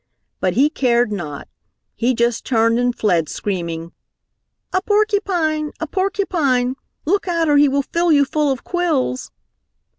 But he cared not. He just turned and fled, screaming, "A porcupine! A porcupine! Look out or he will fill you full of quills!"